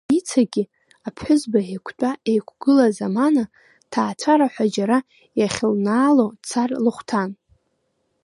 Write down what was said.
Ницагьы, аԥҳәызба еиқәтәа-еиқәгыла замана, ҭаацәараҳәа џьара иахьлнаало дцар лыхәҭан.